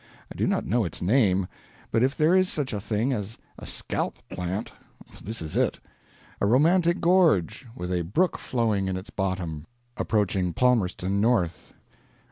I do not know its name, but if there is such a thing as a scalp plant, this is it. A romantic gorge, with a brook flowing in its bottom, approaching Palmerston North.